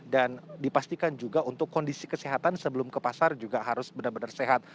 dan dipastikan juga untuk kondisi kesehatan sebelum ke pasar juga harus benar benar sehat